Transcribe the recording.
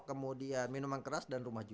kemudian minuman keras dan rumah